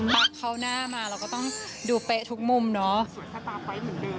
เปล่าเข้าหน้ามาเราก็ต้องดูเป๊ะทุกมุมเนอะ